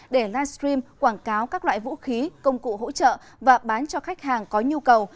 để livestream quảng cáo các loại vũ khí công cụ hỗ trợ và bán cho khách hàng có nhu cầu